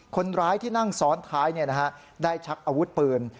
คนร้ายที่นั่งซ้อนท้ายได้ชักอาวุธปืน